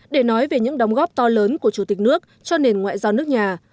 để nói về những đóng góp to lớn của chủ tịch nước cho nền ngoại giao nước nhà